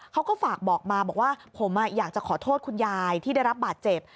เขาก็ฝากบอกมาบอกว่าผมอยากจะขอโทษคุณยายที่ได้รับบาดเจ็บ